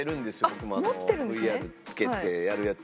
ＶＲつけてやるやつ。